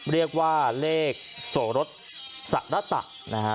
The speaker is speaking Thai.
เรียกว่าเลขโสรสรัตตะนะครับ